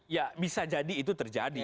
ya bisa jadi itu terjadi